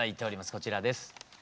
こちらです。